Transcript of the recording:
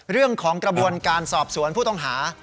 เรื่องของการสอบสวนผู้ต้องหา